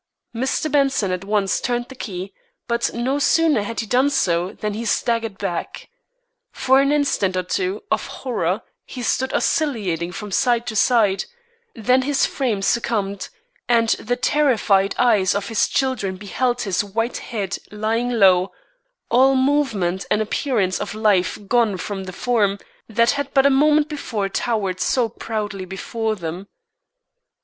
Mr. Benson at once turned the key, but no sooner had he done so than he staggered back. For an instant or two of horror he stood oscillating from side to side, then his frame succumbed, and the terrified eyes of his children beheld his white head lying low, all movement and appearance of life gone from the form that but a moment before towered so proudly before them.